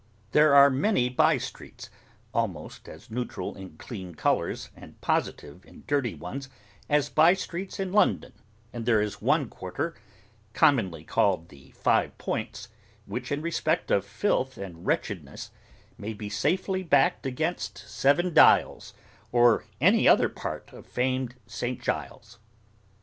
There are many by streets, almost as neutral in clean colours, and positive in dirty ones, as by streets in London; and there is one quarter, commonly called the Five Points, which, in respect of filth and wretchedness, may be safely backed against Seven Dials, or any other part of famed St. Giles's.